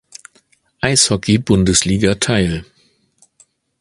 Eishockey-Bundesliga teil.